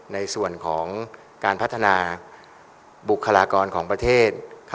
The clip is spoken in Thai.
ในส่วนของการพัฒนาบุคลากรของประเทศ